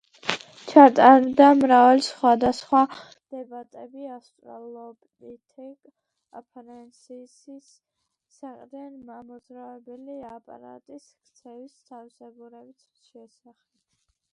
ჩატარდა მრავალი სხვადასხვა დებატები ავსტრალოპითეკ აფარენსისის საყრდენ-მამოძრავებელი აპარატის ქცევის თავისებურების შესახებ.